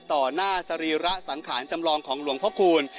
ต่อหน้าสรีระสังขารจำลองของหลวงพระคูณ